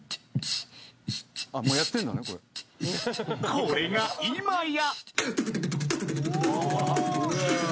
［これが今や］